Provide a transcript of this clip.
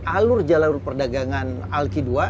alur jalur perdagangan alti dua